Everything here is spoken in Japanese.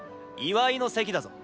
祝いの席だぞ。